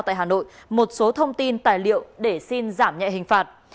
tại hà nội một số thông tin tài liệu để xin giảm nhẹ hình phạt